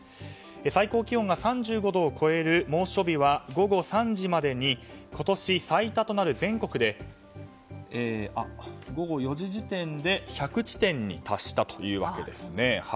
最高気温が３５度を超える猛暑日は今年最多となる全国で午後４時時点で１００地点に達したというわけですね。